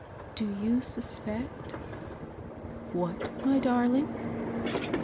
— do you suspect ?"— "What, my darling?"